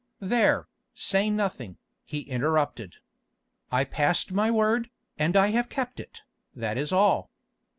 "There, say nothing," he interrupted. "I passed my word, and I have kept it, that is all.